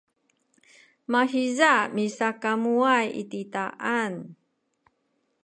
mahiza misakamuway i titaan